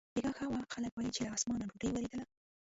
بېګاه ښه و، خلکو ویل چې له اسمانه ډوډۍ ورېدلې.